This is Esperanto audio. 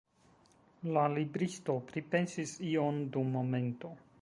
La libristo pripensis ion dum momento.